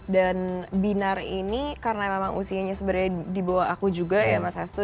dan binar ini karena memang usianya sebenarnya di bawah aku juga ya mas hastu